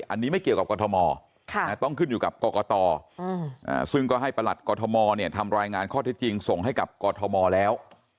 อันนี้ไม่เกี่ยวกับกรทมต้องขึ้นอยู่กับกรกตซึ่งก็ให้ประหลัดกรทมทำรายงานข้อเท็จจริงส่งให้กับกรทมแล้ว